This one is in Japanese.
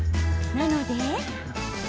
なので。